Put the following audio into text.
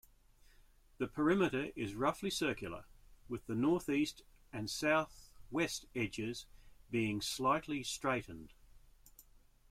The perimeter is roughly circular, with the northeast and southwest edges being slightly straightened.